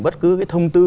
bất cứ cái thông tư